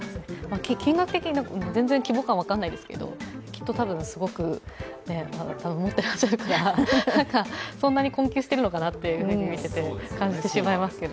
金額的に全然、規模感分からないですけどきっとたぶん、すごくお金を持っていらっしゃるから、そんなに困窮しているのかなって見ていて感じてしまいますけど。